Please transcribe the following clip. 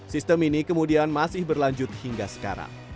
sistem ini kemudian masih berlanjut hingga sekarang